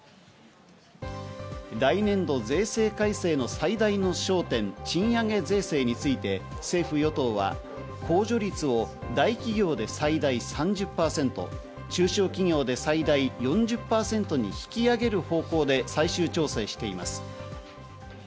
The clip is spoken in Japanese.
来年度税制改正の最大の焦点、賃上げ税制について政府・与党は、控除率を大企業で最大３０％、中小企業で最大４０％に引き上げる方向で最終調整しています。